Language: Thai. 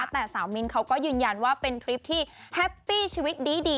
แต่สาวมิ้นเขาก็ยืนยันว่าเป็นทริปที่แฮปปี้ชีวิตดี